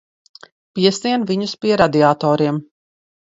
Piesien viņus pie radiatoriem.